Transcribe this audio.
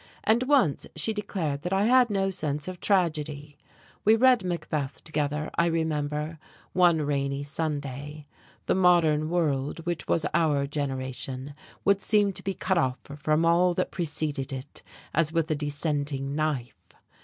And once she declared that I had no sense of tragedy. We read "Macbeth" together, I remember, one rainy Sunday. The modern world, which was our generation, would seem to be cut off from all that preceded it as with a descending knife.